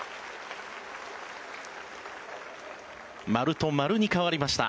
○と○に変わりました。